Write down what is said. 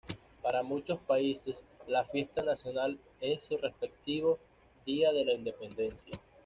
Para muchos países la fiesta nacional es su respectivo "Día de la Independencia".